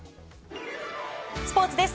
スポーツです。